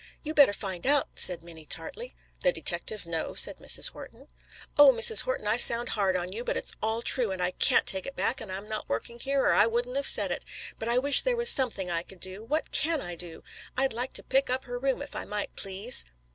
"You better find out!" said Minnie tartly. "The detectives know," said Mrs. Horton. "Oh, Mrs. Horton I sound hard on you, but it's all true, and I can't take it back, and I'm not working here or I wouldn't have said it: but I wish there was something I could do. What can I do? I'd like to pick up her room if I might, please."